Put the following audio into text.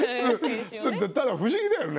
でも不思議だよね。